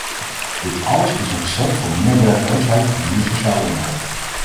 Dit alles is een recept voor meer werkloosheid en meer sociaal onrecht.